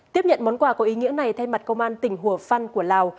tiếp nhận món quà có ý nghĩa này thay mặt công an tỉnh hủa phăn của lào